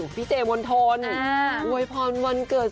หนูเซ็กซี่หรอคะพี่ตอนนี้